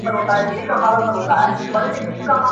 سره رڼا د سُرکو سونډو په کوټه کي_